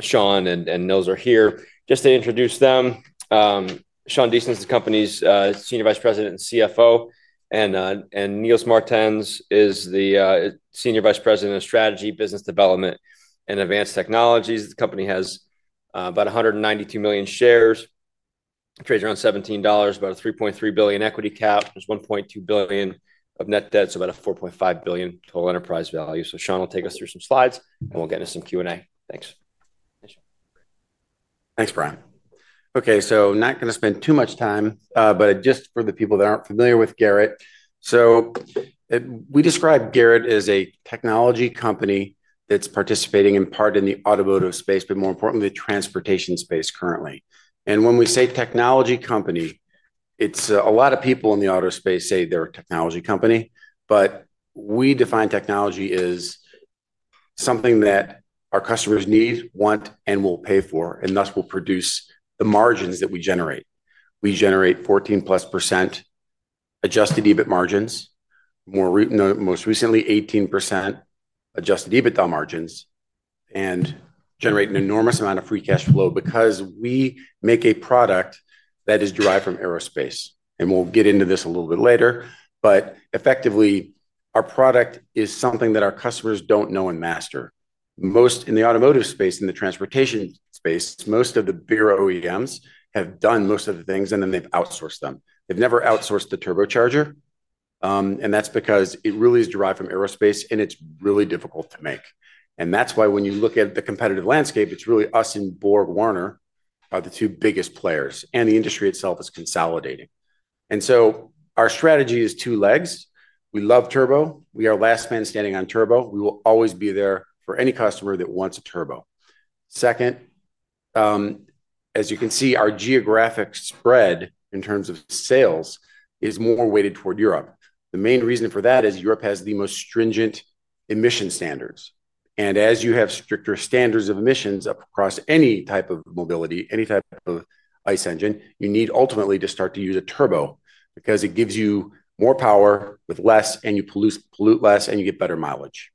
Sean and Nils are here just to introduce them. Sean Deason is the company's Senior Vice President and CFO, and Nils Martens is the Senior Vice President of Strategy, Business Development, and Advanced Technologies. The company has about 192 million shares. Trades around $17, about a $3.3 billion equity cap, there's $1.2 billion of net debt, so about a $4.5 billion total enterprise value. Sean will take us through some slides and we'll get into some Q&A. Thanks. Thanks, Brian. Okay, not gonna spend too much time, but just for the people that aren't familiar with Garrett. We describe Garrett as a technology company that's participating in part in the automotive space, but more importantly, the transportation space currently. When we say technology company, it's, a lot of people in the auto space say they're a technology company, but we define technology as something that our customers need, want, and will pay for, and thus will produce the margins that we generate. We generate 14%+ adjusted EBIT margins, most recently 18% adjusted EBITDA margins, and generate an enormous amount of free cash flow because we make a product that is derived from aerospace. We'll get into this a little bit later, but effectively our product is something that our customers don't know and master. Most in the automotive space, in the transportation space, most of the OEMs have done most of the things and then they've outsourced them. They've never outsourced the turbocharger, and that's because it really is derived from aerospace and it's really difficult to make. That's why when you look at the competitive landscape, it's really us and BorgWarner are the two biggest players and the industry itself is consolidating. Our strategy is two legs. We love turbo. We are last man standing on turbo. We will always be there for any customer that wants a turbo. Second, as you can see, our geographic spread in terms of sales is more weighted toward Europe. The main reason for that is Europe has the most stringent emission standards. As you have stricter standards of emissions across any type of mobility, any type of ICE engine, you need ultimately to start to use a turbo because it gives you more power with less and you pollute less and you get better mileage.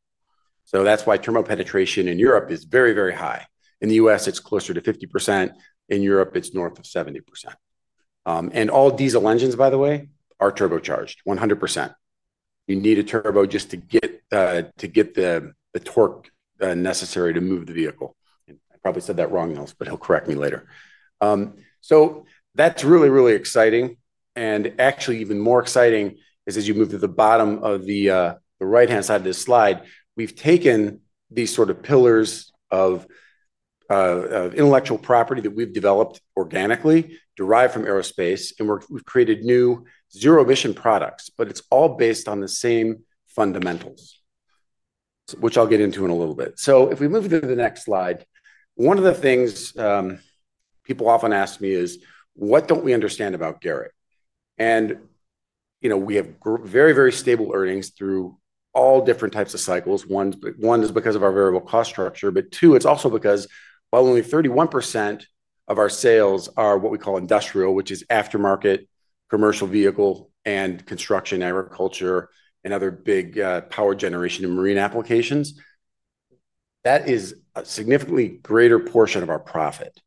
That's why turbo penetration in Europe is very, very high. In the U.S., it's closer to 50%. In Europe, it's north of 70%, and all diesel engines, by the way, are turbocharged 100%. You need a turbo just to get the torque necessary to move the vehicle. I probably said that wrong, Nils, but he'll correct me later. That's really, really exciting. Actually even more exciting is as you move to the bottom of the right-hand side of this slide, we've taken these sort of pillars of intellectual property that we've developed organically derived from aerospace and we've created new zero-emission products, but it's all based on the same fundamentals, which I'll get into in a little bit. If we move to the next slide, one of the things people often ask me is, what don't we understand about Garrett? You know, we have very, very stable earnings through all different types of cycles. One is because of our variable cost structure, but two, it's also because while only 31% of our sales are what we call industrial, which is aftermarket, commercial vehicle, and construction, agriculture, and other big, power generation and marine applications. That is a significantly greater portion of our profit.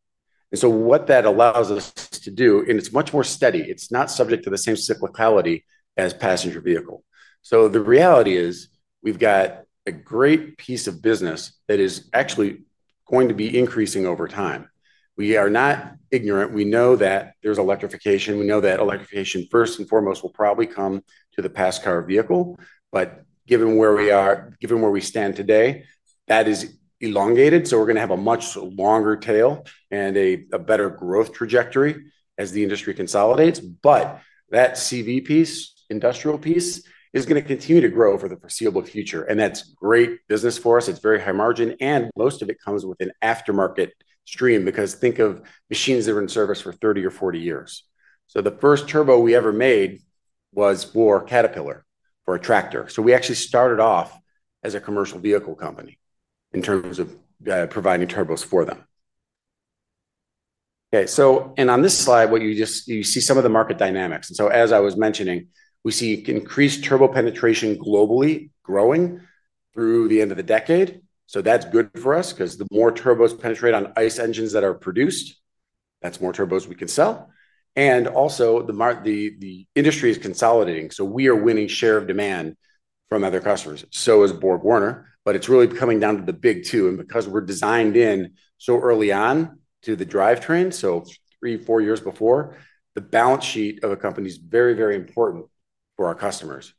What that allows us to do, and it's much more steady, it's not subject to the same cyclicality as passenger vehicle. The reality is we've got a great piece of business that is actually going to be increasing over time. We are not ignorant. We know that there's electrification. We know that electrification first and foremost will probably come to the pass car vehicle, but given where we are, given where we stand today, that is elongated. We're gonna have a much longer tail and a better growth trajectory as the industry consolidates. That CV piece, industrial piece is gonna continue to grow for the foreseeable future. That's great business for us. It's very high margin and most of it comes with an aftermarket stream because think of machines that are in service for 30 or 40 years. The first turbo we ever made was for a Caterpillar, for a tractor. We actually started off as a commercial vehicle company in terms of providing turbos for them. Okay. On this slide, what you just, you see some of the market dynamics. As I was mentioning, we see increased turbo penetration globally growing through the end of the decade. That's good for us 'cause the more turbos penetrate on ICE engines that are produced, that's more turbos we can sell. Also, the industry is consolidating. We are winning share of demand from other customers. So is BorgWarner, but it's really coming down to the big two. Because we're designed in so early on to the drivetrain, three, four years before, the balance sheet of a company is very, very important for our customers.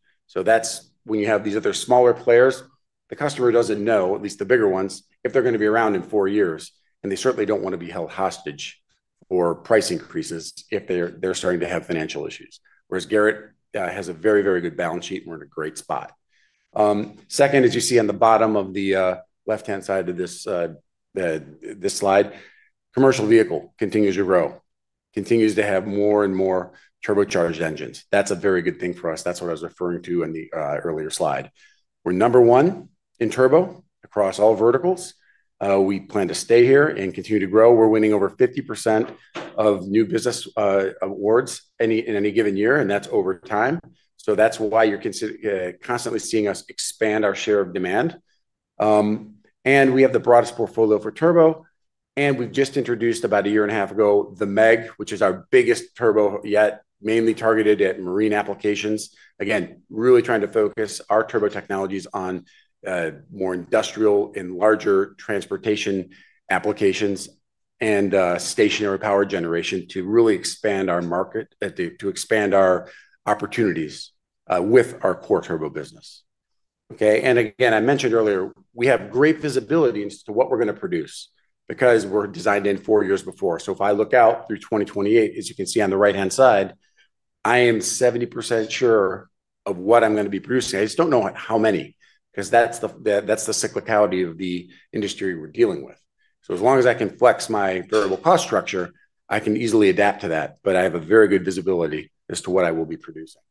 When you have these other smaller players, the customer doesn't know, at least the bigger ones, if they're gonna be around in four years. They certainly don't want to be held hostage for price increases if they're starting to have financial issues, whereas Garrett has a very, very good balance sheet and we're in a great spot. Second, as you see on the bottom of the left-hand side of this slide, commercial vehicle continues to grow, continues to have more and more turbocharged engines. That's a very good thing for us. That's what I was referring to in the earlier slide. We're number one in turbo across all verticals. We plan to stay here and continue to grow. We're winning over 50% of new business awards in any given year, and that's over time. That's why you're constantly seeing us expand our share of demand. We have the broadest portfolio for turbo. We have just introduced about a year and a half ago the MEG, which is our biggest turbo yet, mainly targeted at marine applications. Again, really trying to focus our turbo technologies on more industrial and larger transportation applications and stationary power generation to really expand our market, to expand our opportunities with our core turbo business. I mentioned earlier we have great visibility into what we are going to produce because we are designed in four years before. If I look out through 2028, as you can see on the right-hand side, I am 70% sure of what I am going to be producing. I just do not know how many because that is the cyclicality of the industry we are dealing with. As long as I can flex my variable cost structure, I can easily adapt to that, but I have very good visibility as to what I will be producing.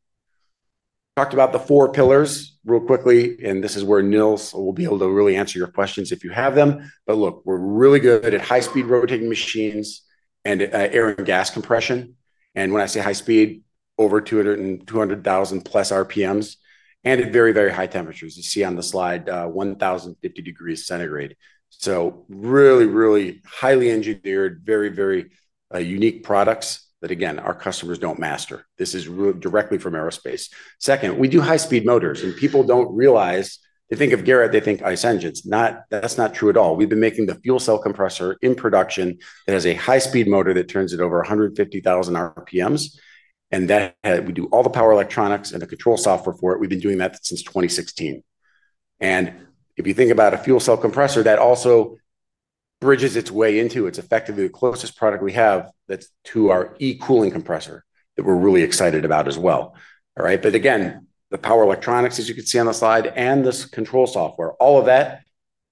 Talked about the four pillars real quickly, and this is where Nils will be able to really answer your questions if you have them. We are really good at high-speed rotating machines and air and gas compression. When I say high-speed, over 200,000+ RPMs and at very, very high temperatures. You see on the slide, 1,050 degrees centigrade. Really, really highly engineered, very unique products that again, our customers do not master. This is really directly from aerospace. Second, we do high-speed motors and people do not realize they think of Garrett, they think ICE engines. That is not true at all. We have been making the fuel cell compressor in production that has a high-speed motor that turns at over 150,000 RPMs. We do all the power electronics and the control software for it. We have been doing that since 2016. If you think about a fuel cell compressor, that also bridges its way into, it is effectively the closest product we have to our e-cooling compressor that we are really excited about as well. The power electronics, as you can see on the slide, and this control software, all of that is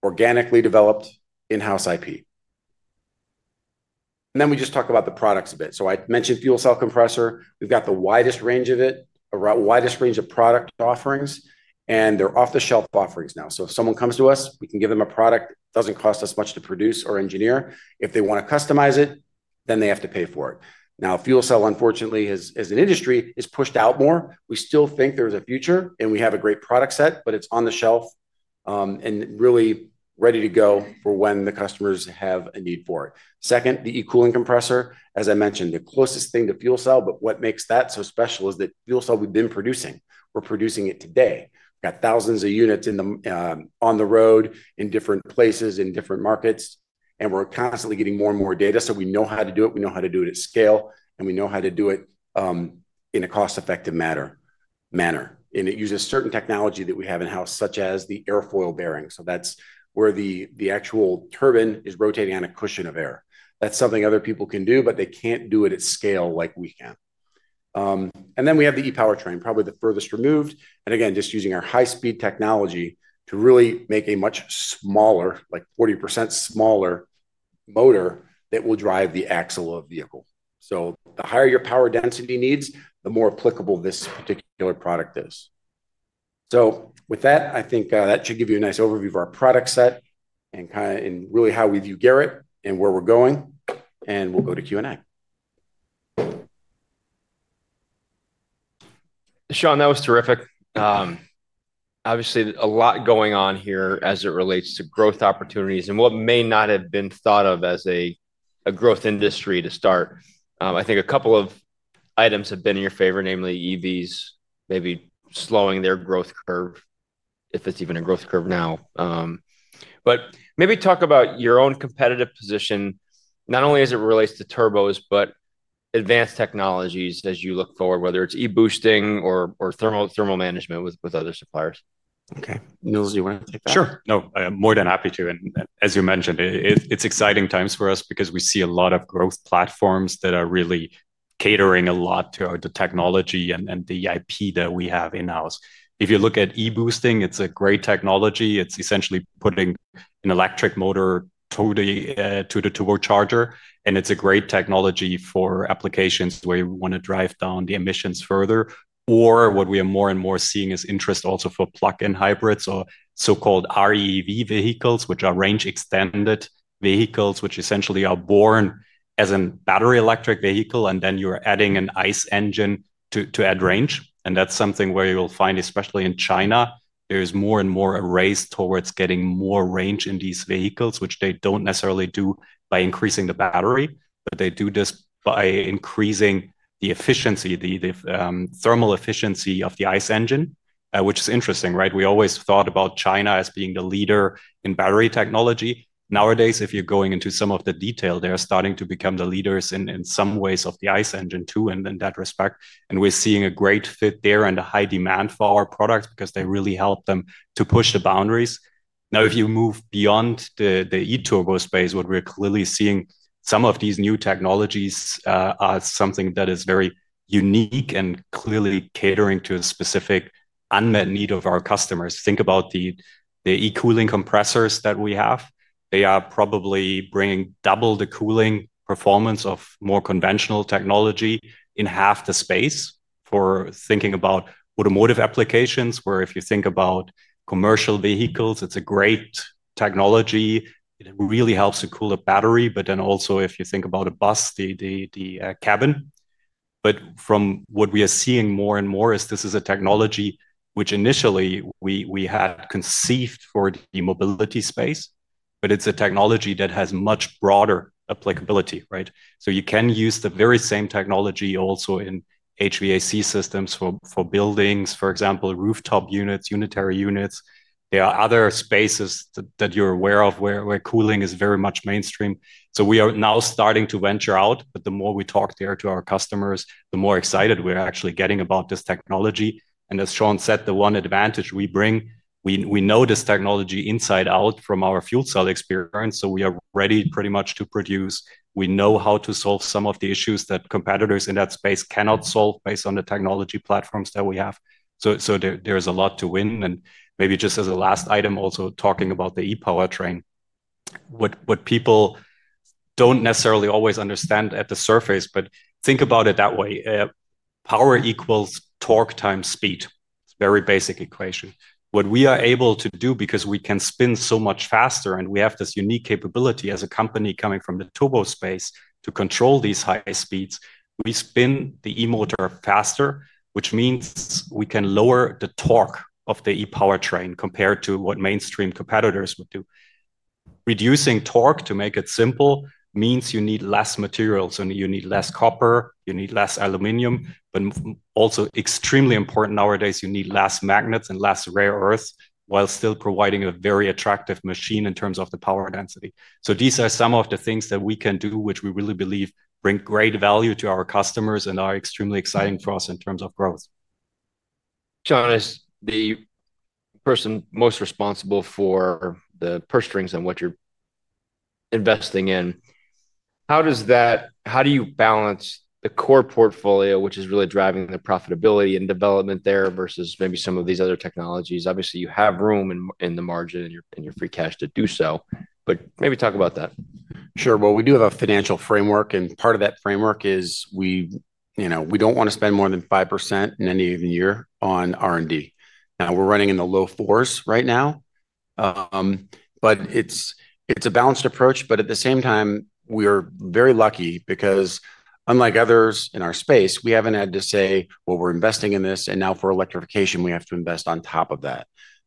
organically developed in-house IP. Then we just talk about the products a bit. I mentioned fuel cell compressor. We have got the widest range of it, a widest range of product offerings, and they are off-the-shelf offerings now. If someone comes to us, we can give them a product. It does not cost us much to produce or engineer. If they want to customize it, then they have to pay for it. Now, fuel cell, unfortunately, as an industry is pushed out more, we still think there is a future and we have a great product set, but it is on the shelf and really ready to go for when the customers have a need for it. Second, the e-cooling compressor, as I mentioned, the closest thing to fuel cell. But what makes that so special is that fuel cell we've been producing, we're producing it today. We've got thousands of units on the road in different places, in different markets, and we're constantly getting more and more data. We know how to do it. We know how to do it at scale, and we know how to do it in a cost-effective manner. And it uses certain technology that we have in-house, such as the airfoil bearing. That's where the actual turbine is rotating on a cushion of air. That's something other people can do, but they can't do it at scale like we can. Then we have the e-powertrain, probably the furthest removed. And again, just using our high-speed technology to really make a much smaller, like 40% smaller motor that will drive the axle of the vehicle. The higher your power density needs, the more applicable this particular product is. With that, I think that should give you a nice overview of our product set and really how we view Garrett and where we're going, and we'll go to Q and A. Sean, that was terrific. Obviously a lot going on here as it relates to growth opportunities and what may not have been thought of as a growth industry to start. I think a couple of items have been in your favor, namely EVs maybe slowing their growth curve, if it's even a growth curve now. But maybe talk about your own competitive position, not only as it relates to turbos, but advanced technologies as you look forward, whether it's e-boosting or thermal management with other suppliers. Okay. Nils, do you wanna take that? Sure. No, I am more than happy to. As you mentioned, it's exciting times for us because we see a lot of growth platforms that are really catering a lot to the technology and the IP that we have in-house. If you look at e-boosting, it's a great technology. It's essentially putting an electric motor totally to the turbocharger. It's a great technology for applications where you want to drive down the emissions further. What we are more and more seeing is interest also for plug-in hybrids or so-called REV vehicles, which are range-extended vehicles, which essentially are born as a battery electric vehicle, and then you're adding an ICE engine to add range. That's something where you'll find, especially in China, there's more and more a race towards getting more range in these vehicles, which they don't necessarily do by increasing the battery, but they do this by increasing the efficiency, the thermal efficiency of the ICE engine, which is interesting, right? We always thought about China as being the leader in battery technology. Nowadays, if you're going into some of the detail, they're starting to become the leaders in some ways of the ICE engine too in that respect, and we're seeing a great fit there and a high demand for our products because they really help them to push the boundaries. If you move beyond the e-turbo space, what we're clearly seeing, some of these new technologies are something that is very unique and clearly catering to a specific unmet need of our customers. Think about the e-cooling compressors that we have. They are probably bringing double the cooling performance of more conventional technology in half the space for thinking about automotive applications, where if you think about commercial vehicles, it's a great technology. It really helps to cool a battery. If you think about a bus, the cabin. From what we are seeing more and more, this is a technology which initially we had conceived for the mobility space, but it's a technology that has much broader applicability, right? You can use the very same technology also in HVAC systems for buildings, for example, rooftop units, unitary units. There are other spaces that you're aware of where cooling is very much mainstream. We are now starting to venture out, but the more we talk there to our customers, the more excited we are actually getting about this technology. As Sean said, the one advantage we bring, we know this technology inside out from our fuel cell experience. We are ready pretty much to produce. We know how to solve some of the issues that competitors in that space cannot solve based on the technology platforms that we have. There is a lot to win. Maybe just as a last item, also talking about the e-powertrain, what people do not necessarily always understand at the surface, but think about it that way. Power equals torque times speed. It is a very basic equation. What we are able to do, because we can spin so much faster and we have this unique capability as a company coming from the turbo space to control these high speeds, we spin the e-motor faster, which means we can lower the torque of the e-powertrain compared to what mainstream competitors would do. Reducing torque, to make it simple, means you need less materials and you need less copper, you need less aluminum, but also extremely important nowadays, you need less magnets and less rare earths while still providing a very attractive machine in terms of the power density. These are some of the things that we can do, which we really believe bring great value to our customers and are extremely exciting for us in terms of growth. Sean is the person most responsible for the purse strings and what you're investing in. How does that, how do you balance the core portfolio, which is really driving the profitability and development there versus maybe some of these other technologies? Obviously, you have room in the margin and your free cash to do so, but maybe talk about that. Sure. We do have a financial framework, and part of that framework is we, you know, we don't wanna spend more than 5% in any given year on R&D. Now we're running in the low fours right now. It's a balanced approach. At the same time, we are very lucky because unlike others in our space, we haven't had to say, well, we're investing in this. Now for electrification, we have to invest on top of that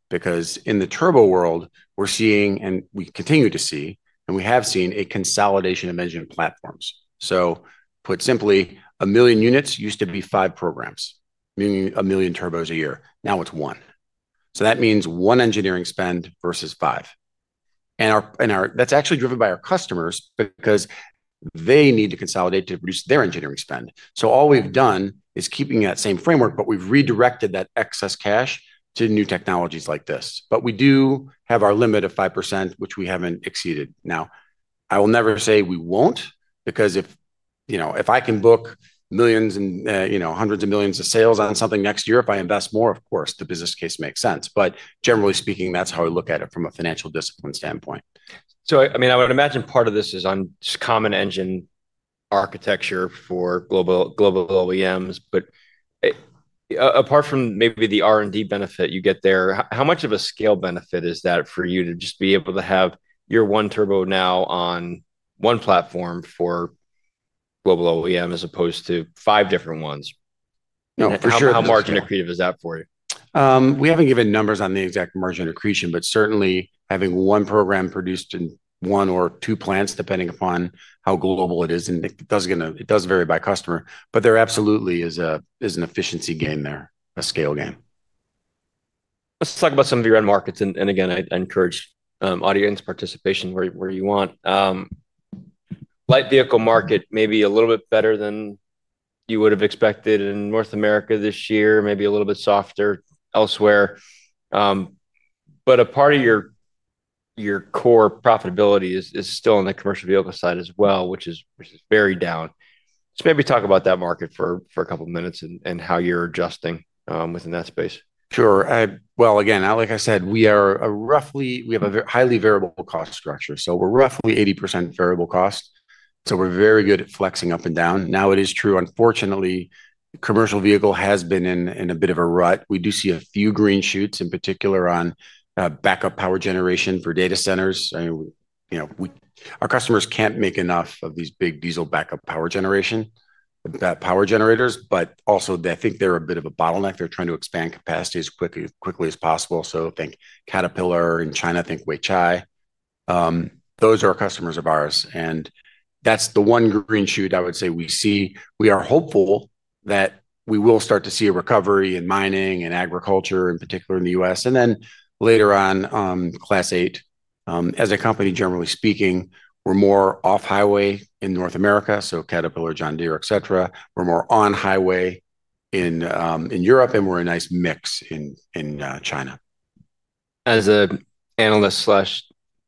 because in the turbo world, we're seeing, and we continue to see, and we have seen a consolidation of engine platforms. Put simply, a million units used to be five programs, meaning a million turbos a year. Now it's one. That means one engineering spend versus five. That's actually driven by our customers because they need to consolidate to reduce their engineering spend. All we've done is keeping that same framework, but we've redirected that excess cash to new technologies like this. We do have our limit of 5%, which we haven't exceeded. I will never say we won't because if, you know, if I can book millions and, you know, hundreds of millions of sales on something next year, if I invest more, of course the business case makes sense. Generally speaking, that's how I look at it from a financial discipline standpoint. I mean, I would imagine part of this is on just common engine architecture for global, global OEMs. Apart from maybe the R&D benefit you get there, how much of a scale benefit is that for you to just be able to have your one turbo now on one platform for a global OEM as opposed to five different ones? No, for sure. How margin accretive is that for you? We haven't given numbers on the exact margin accretion, but certainly having one program produced in one or two plants, depending upon how global it is, and it does vary by customer, but there absolutely is an efficiency gain there, a scale game. Let's talk about some of your end markets. I encourage audience participation where you want. Light vehicle market maybe a little bit better than you would've expected in North America this year, maybe a little bit softer elsewhere. A part of your core profitability is still on the commercial vehicle side as well, which is very down. Maybe talk about that market for a couple minutes and how you're adjusting within that space. Sure. I, like I said, we are a roughly, we have a very highly variable cost structure. We are roughly 80% variable cost. We are very good at flexing up and down. It is true, unfortunately, commercial vehicle has been in a bit of a rut. We do see a few green shoots, in particular on backup power generation for data centers. I mean, we, you know, our customers cannot make enough of these big diesel backup power generators, but also I think they are a bit of a bottleneck. They are trying to expand capacity as quickly as possible. Think Caterpillar in China, think Weichai. Those are customers of ours. That is the one green shoot I would say we see. We are hopeful that we will start to see a recovery in mining and agriculture, in particular in the United States. Later on, Class 8, as a company, generally speaking, we are more off-highway in North America. Caterpillar, John Deere, et cetera. We are more on-highway in Europe, and we are a nice mix in China. As an analyst slash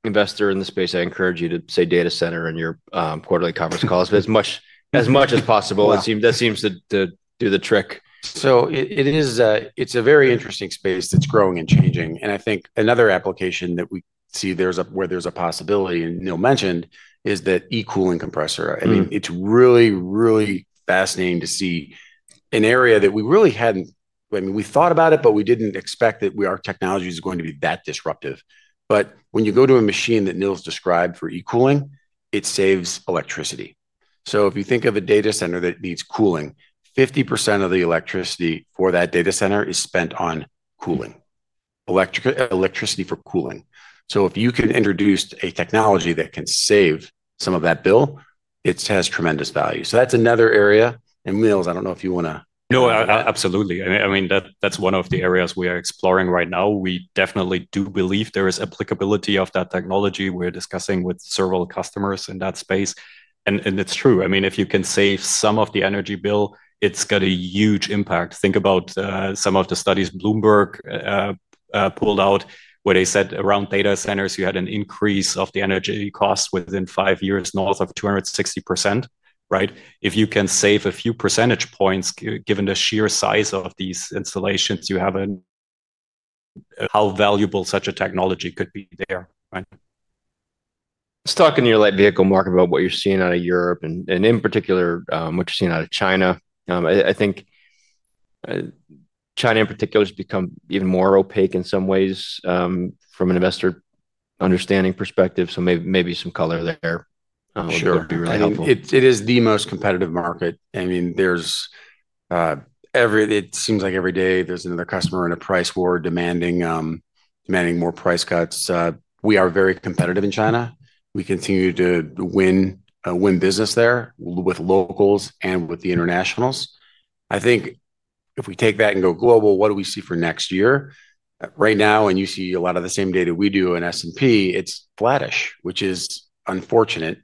investor in the space, I encourage you to say data center in your quarterly conference calls as much as possible. It seems that seems to do the trick. It is a very interesting space that's growing and changing. I think another application that we see where there's a possibility, and Nils mentioned, is that e-cooling compressor. I mean, it's really, really fascinating to see an area that we really hadn't, I mean, we thought about it, but we didn't expect that our technology is going to be that disruptive. When you go to a machine that Nils described for e-cooling, it saves electricity. If you think of a data center that needs cooling, 50% of the electricity for that data center is spent on cooling, electricity for cooling. If you can introduce a technology that can save some of that bill, it has tremendous value. That's another area. Nils, I don't know if you wanna. No, I absolutely. I mean, that's one of the areas we are exploring right now. We definitely do believe there is applicability of that technology. We're discussing with several customers in that space. It's true. I mean, if you can save some of the energy bill, it's got a huge impact. Think about some of the studies Bloomberg pulled out where they said around data centers, you had an increase of the energy costs within five years north of 260%, right? If you can save a few percentage points, given the sheer size of these installations, you have an. How valuable such a technology could be there, right? Let's talk in your light vehicle market about what you're seeing out of Europe and, in particular, what you're seeing out of China. I think China in particular has become even more opaque in some ways, from an investor understanding perspective. Maybe some color there, it would be really helpful. It is the most competitive market. I mean, it seems like every day there's another customer in a price war demanding more price cuts. We are very competitive in China. We continue to win business there with locals and with the internationals. I think if we take that and go global, what do we see for next year? Right now, and you see a lot of the same data we do in S and P, it's flattish, which is unfortunate.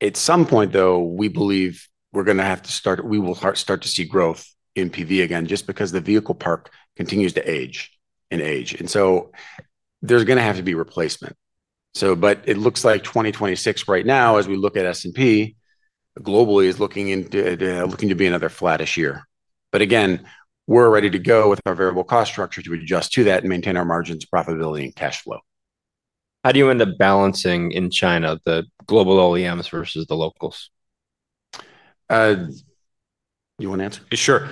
At some point though, we believe we're going to have to start, we will start to see growth in PV again, just because the vehicle park continues to age and age. There is going to have to be replacement. It looks like 2026 right now, as we look at S&P globally, is looking to be another flattish year. We are ready to go with our variable cost structure to adjust to that and maintain our margins, profitability, and cash flow. How do you end up balancing in China, the global OEMs versus the locals? You wanna answer? Sure.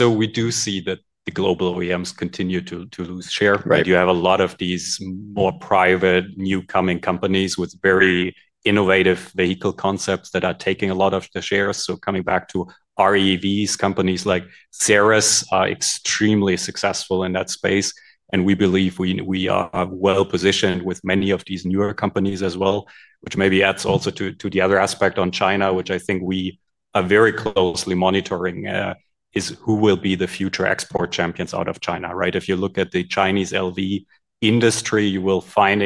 We do see that the global OEMs continue to lose share. You have a lot of these more private newcoming companies with very innovative vehicle concepts that are taking a lot of the shares. Coming back to REVs, companies like Ceres are extremely successful in that space. We believe we are well positioned with many of these newer companies as well, which maybe adds also to the other aspect on China, which I think we are very closely monitoring, is who will be the future export champions out of China, right? If you look at the Chinese LV industry, you will find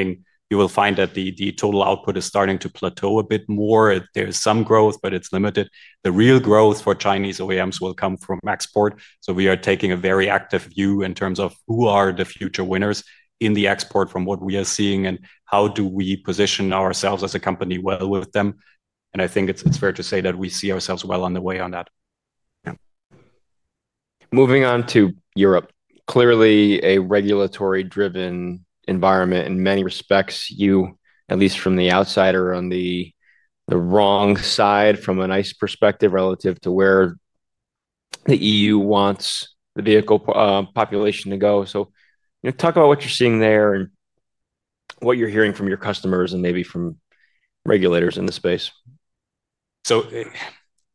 that the total output is starting to plateau a bit more. There is some growth, but it is limited. The real growth for Chinese OEMs will come from export. We are taking a very active view in terms of who are the future winners in the export from what we are seeing and how do we position ourselves as a company well with them. I think it is fair to say that we see ourselves well on the way on that. Moving on to Europe, clearly a regulatory driven environment in many respects. You, at least from the outsider, are on the wrong side from a nice perspective relative to where the EU wants the vehicle population to go. You know, talk about what you are seeing there and what you are hearing from your customers and maybe from regulators in the space.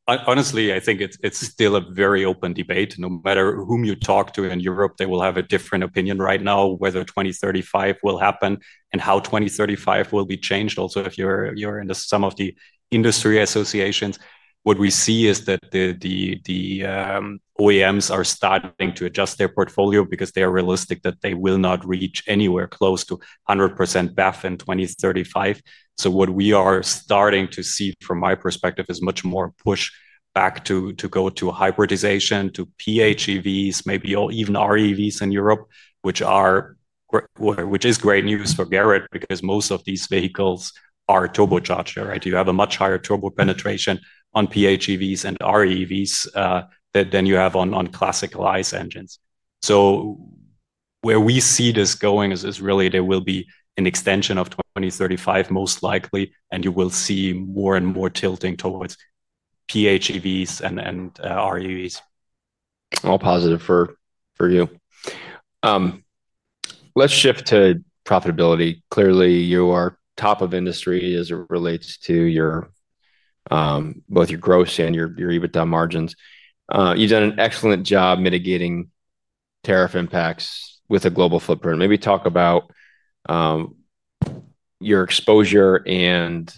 Honestly, I think it's still a very open debate. No matter whom you talk to in Europe, they will have a different opinion right now, whether 2035 will happen and how 2035 will be changed. Also, if you're in some of the industry associations, what we see is that the OEMs are starting to adjust their portfolio because they are realistic that they will not reach anywhere close to 100% BAF in 2035. What we are starting to see from my perspective is much more push back to go to hybridization, to PHEVs, maybe even REVs in Europe, which is great news for Garrett because most of these vehicles are turbocharged, right? You have a much higher turbo penetration on PHEVs and REVs than you have on classical ICE engines. Where we see this going is really there will be an extension of 2035 most likely, and you will see more and more tilting towards PHEVs and REVs. All positive for you. Let's shift to profitability. Clearly, you are top of industry as it relates to both your gross and your EBITDA margins. You've done an excellent job mitigating tariff impacts with a global footprint. Maybe talk about your exposure and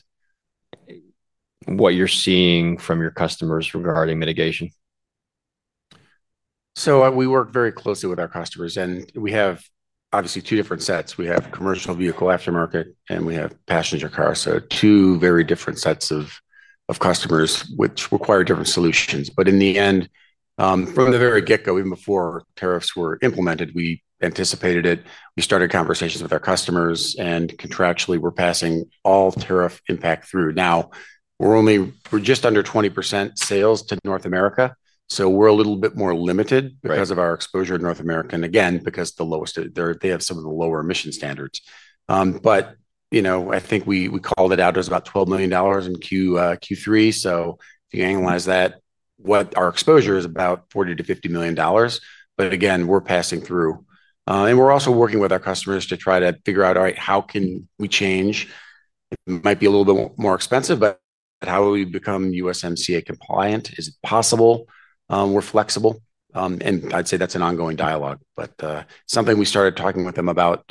what you're seeing from your customers regarding mitigation. We work very closely with our customers and we have obviously two different sets. We have commercial vehicle aftermarket and we have passenger cars. Two very different sets of customers which require different solutions. In the end, from the very get-go, even before tariffs were implemented, we anticipated it. We started conversations with our customers and contractually we're passing all tariff impact through. Now we're just under 20% sales to North America, so we're a little bit more limited because of our exposure in North America. Again, because the lowest there, they have some of the lower emission standards. You know, I think we called it out as about $12 million in Q3. If you analyze that, our exposure is about $40 million-$50 million. Again, we're passing through. We're also working with our customers to try to figure out, all right, how can we change? It might be a little bit more expensive, but how do we become USMCA compliant? Is it possible? We're flexible. I'd say that's an ongoing dialogue, but something we started talking with them about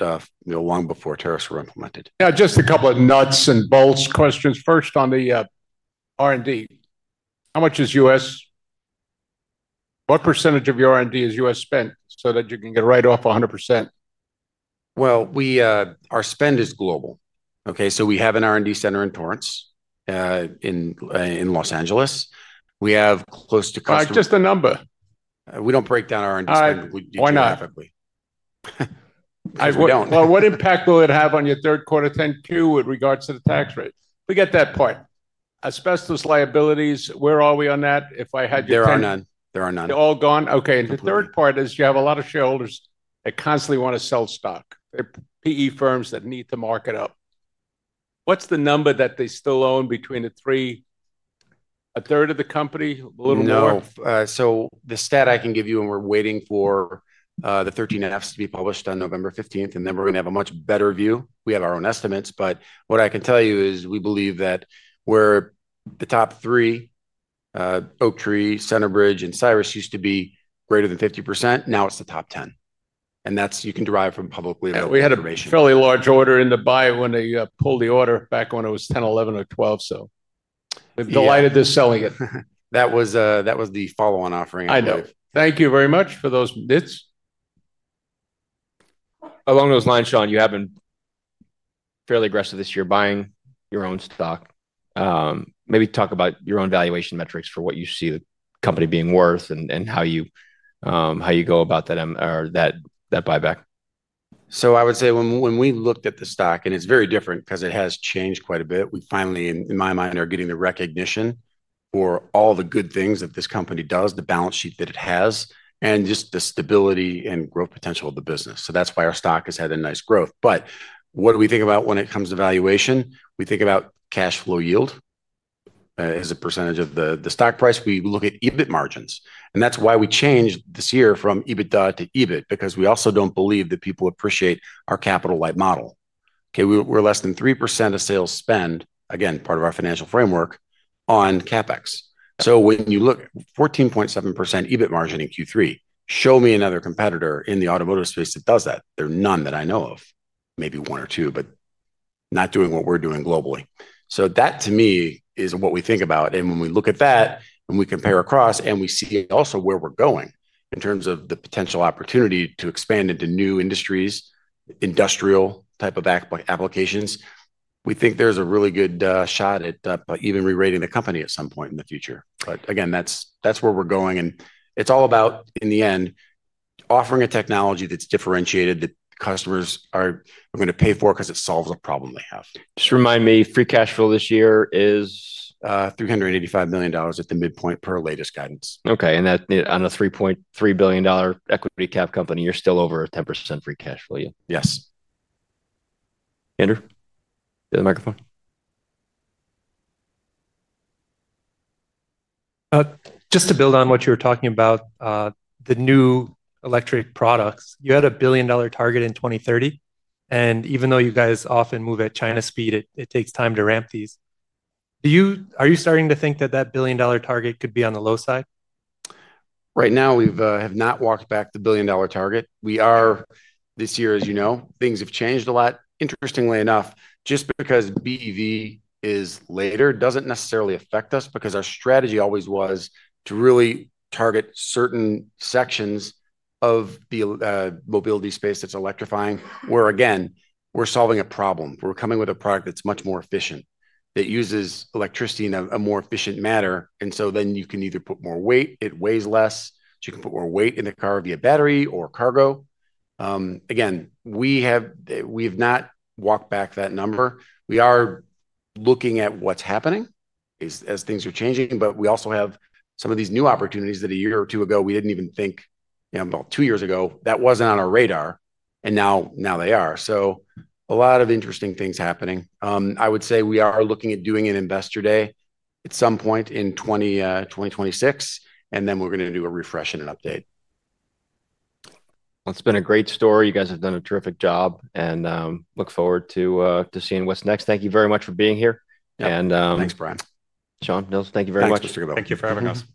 long before tariffs were implemented. Yeah. Just a couple of nuts and bolts questions. First on the R&D, how much is U.S.? What percentage of your R&D is U.S. spent so that you can get right off 100%? Our spend is global. Okay. We have an R&D center in Torrance, in Los Angeles. We have close to customers. Just a number. We don't break down our R&D spend. Why not? We do it. Why not? We don't. What impact will it have on your third quarter 10Q with regards to the tax rate? We get that part. Asbestos liabilities, where are we on that? If I had your. There are none. They're all gone. Okay. The third part is you have a lot of shareholders that constantly wanna sell stock, the PE firms that need to mark it up. What's the number that they still own between the three, a third of the company, a little more? No. So the stat I can give you, and we're waiting for the 13 Fs to be published on November 15th, and then we're gonna have a much better view. We have our own estimates, but what I can tell you is we believe that we're the top three, Oaktree, Centerbridge, and Cyrus used to be greater than 50%. Now it's the top 10. And that's, you can derive from publicly. We had a fairly large order in the buy when they pulled the order back when it was 10, 11, or 12. Delighted they're selling it. That was the follow-on offering. I know. Thank you very much for those bits. Along those lines, Sean, you have been fairly aggressive this year buying your own stock. Maybe talk about your own valuation metrics for what you see the company being worth and how you go about that, or that buyback. I would say when we looked at the stock, and it's very different 'cause it has changed quite a bit, we finally, in my mind, are getting the recognition for all the good things that this company does, the balance sheet that it has, and just the stability and growth potential of the business. That's why our stock has had a nice growth. What do we think about when it comes to valuation? We think about cash flow yield as a percentage of the stock price, we look at EBIT margins. That's why we changed this year from EBITDA to EBIT, because we also don't believe that people appreciate our capital-light model. We're less than 3% of sales spend, again, part of our financial framework on CapEx. When you look at 14.7% EBIT margin in Q3, show me another competitor in the automotive space that does that. There are none that I know of, maybe one or two, but not doing what we're doing globally. That to me is what we think about. When we look at that and we compare across and we see also where we're going in terms of the potential opportunity to expand into new industries, industrial type of applications, we think there's a really good shot at even re-rating the company at some point in the future. Again, that's where we're going. It's all about, in the end, offering a technology that's differentiated that customers are gonna pay for 'cause it solves a problem they have. Just remind me, free cash flow this year is? $385 million at the midpoint per latest guidance. Okay. And that on a $3.3 billion equity cap company, you're still over a 10% free cash flow. Yes. Andrew, you have the microphone. Just to build on what you were talking about, the new electric products, you had a $1 billion target in 2030. And even though you guys often move at China speed, it takes time to ramp these. Do you, are you starting to think that that $1 billion target could be on the low side? Right now, we have not walked back the billion dollar target. We are, this year, as you know, things have changed a lot. Interestingly enough, just because BEV is later does not necessarily affect us because our strategy always was to really target certain sections of the mobility space that is electrifying where, again, we are solving a problem. We are coming with a product that is much more efficient, that uses electricity in a more efficient manner. You can either put more weight, it weighs less, so you can put more weight in the car via battery or cargo. Again, we have not walked back that number. We are looking at what is happening as things are changing, but we also have some of these new opportunities that a year or two ago we did not even think, you know, about two years ago, that was not on our radar. Now they are. A lot of interesting things are happening. I would say we are looking at doing an investor day at some point in 2026, and then we are going to do a refresh and an update. It's been a great story. You guys have done a terrific job and look forward to seeing what's next. Thank you very much for being here. Thanks, Brian. Sean, Nils, thank you very much. Thank you for having us.